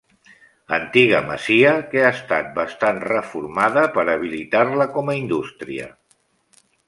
Antiga masia que ha estat bastant reformada per habilitar-la com a indústria.